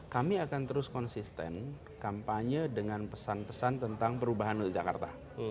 kami akan terus konsisten kampanye dengan pesan pesan tentang perubahan untuk jakarta